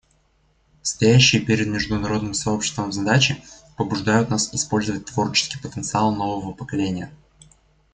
Стоящие перед международным сообществом задачи побуждают нас использовать творческий потенциал нового поколения.